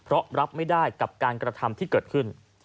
เพราะรับไม่ได้กับการกระทำที่เกิดขึ้น